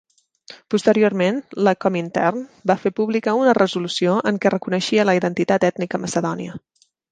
Posteriorment la Comintern va fer pública una resolució en què reconeixia la identitat ètnica macedònia.